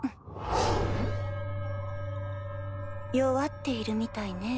弱っているみたいね。